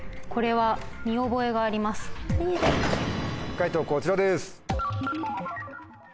解答こちらです。